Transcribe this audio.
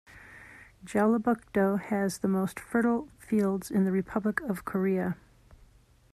Jeollabuk-do has the most fertile fields in the Republic of Korea.